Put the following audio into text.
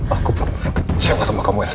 aku bener bener kecewa sama kamu elsa